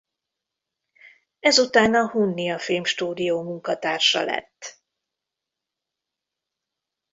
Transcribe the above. Ezután a Hunnia Filmstúdió munkatársa lett.